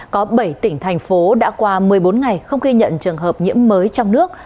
có bảy tỉnh thành phố đã qua một mươi bốn ngày không ghi nhận trường hợp nhiễm mới trong nước